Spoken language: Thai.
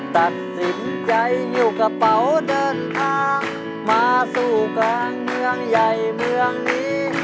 ตัดสินใจหิวกระเป๋าเดินทางมาสู่กลางเมืองใหญ่เมืองนี้